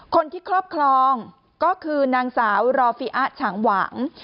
ครอบครองก็คือนางสาวรอฟิอะฉางหวาง